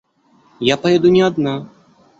Я поеду не одна.